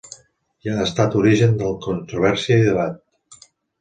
Ha estat origen de controvèrsia i debat.